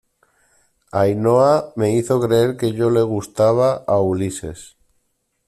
Ainhoa, me hizo creer que yo le gustaba a Ulises.